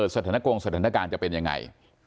สถานกงสถานการณ์จะเป็นยังไง